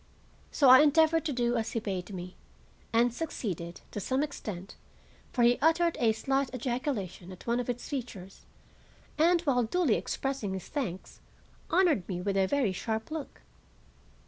So I endeavored to do as he bade me, and succeeded, to some extent, for he uttered a slight ejaculation at one of its features, and, while duly expressing his thanks, honored me with a very sharp look.